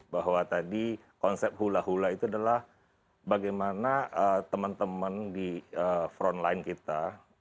bahwa tadi konsep hula hula itu adalah bagaimana teman teman di front line kita